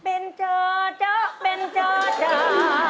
เป็นเจอจ๊ะเป็นจ้าจ้า